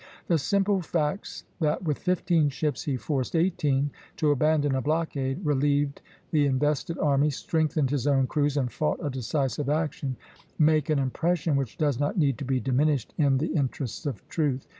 The simple facts that with fifteen ships he forced eighteen to abandon a blockade, relieved the invested army, strengthened his own crews, and fought a decisive action, make an impression which does not need to be diminished in the interests of truth.